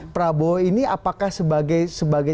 prabowo ini apakah sebagai